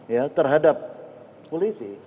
ya terhadap polisi